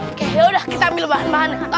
oke yaudah kita ambil bahan bahan